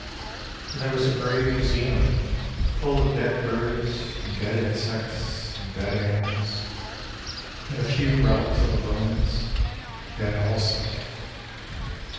And there was a grey museum Full of dead birds and dead insects and dead animals And a few relics of the Romans dead also.